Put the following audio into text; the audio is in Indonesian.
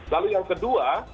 lalu yang kedua